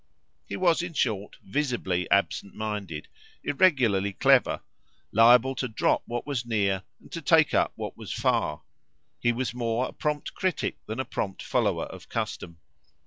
He was in short visibly absent minded, irregularly clever, liable to drop what was near and to take up what was far; he was more a prompt critic than a prompt follower of custom.